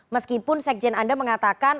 meskipun sekjen anda mengatakan